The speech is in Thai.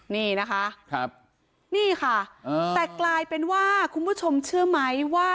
นี่นะคะนี่ค่ะแต่กลายเป็นว่าคุณผู้ชมเชื่อไหมว่า